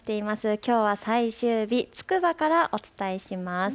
きょうが最終日つくばからお伝えします。